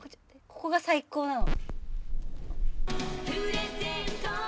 ここが最高なの。